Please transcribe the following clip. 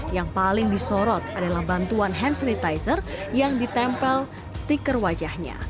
yang paling disorot adalah bantuan hand sanitizer yang ditempel stiker wajahnya